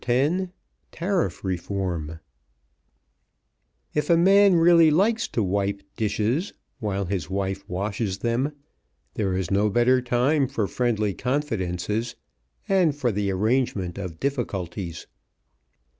X TARIFF REFORM If a man really likes to wipe dishes, while his wife washes them, there is no better time for friendly confidences, and for the arrangement of difficulties.